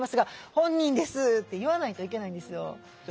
「本人です」って言わないといけないんですよ。